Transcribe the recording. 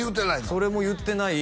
それも言ってない